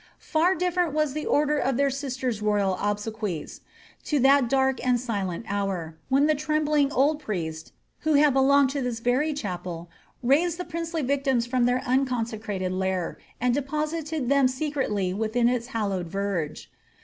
Far diflerent was the order of their sister's royal obsequies, to that dark and silent hour, when the trembling old priest, who had belonged to this Terv chapel, raised the princely victims from their unconsecrated lair, iod dq>osited tliem secretly within its hallowed verge.